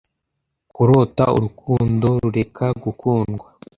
kurota urukundo rureka gukundwa